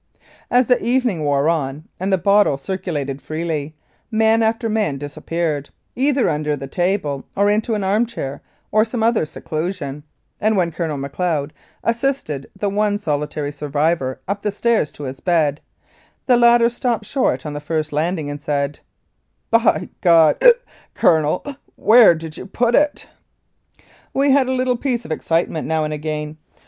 As the evening wore on, and the bottle circulated freely, man after man disappeared, either under the table or into an arm chair or some other seclusion, and when Colonel Macleod assisted the one solitary survivor up the stairs to his bed, the latter stopped short on the first landing and said, " By God (hie), Colonel, w here d'you put it?" We had a little piece of excitement now and again.